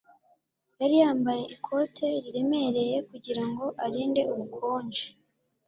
yari yambaye ikote riremereye kugirango arinde ubukonje